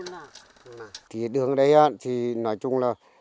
đi học cũng khó khăn